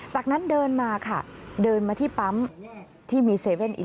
จากนั้นเดินมาค่ะเดินมาที่ปั๊มที่มี๗๑๑